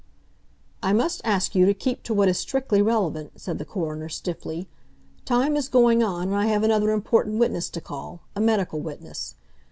"I must ask you to keep to what is strictly relevant," said the coroner stiffly. "Time is going on, and I have another important witness to call—a medical witness.